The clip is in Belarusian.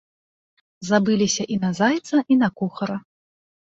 Забыліся і на зайца і на кухара.